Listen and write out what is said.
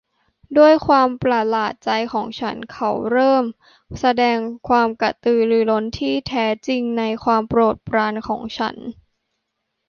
ด้วยความประหลาดใจของฉันเขาเริ่มแสดงความกระตือรือร้นที่แท้จริงในความโปรดปรานของฉัน